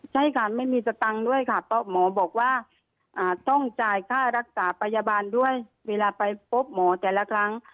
ใช่ค่ะไม่มีสตังค์ด้วยค่ะเพราะหมอบอกว่าต้องจ่ายค่ารักษาพยาบาลด้วยเวลาไปพบหมอแต่ละครั้ง